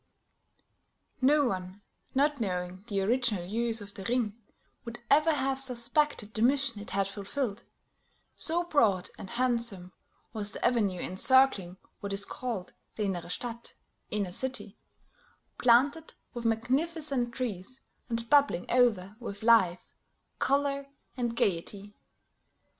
No one, not knowing the original use of the Ring, would ever have suspected the mission it had fulfilled; so broad and handsome was the avenue encircling what is called the Inner Stadt (Inner City), planted with magnificent trees, and bubbling over with life, color and gayety.